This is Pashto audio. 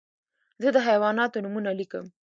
زه د حیواناتو نومونه لیکم.